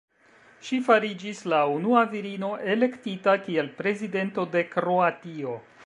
Ŝi fariĝis la unua virino elektita kiel prezidento de Kroatio.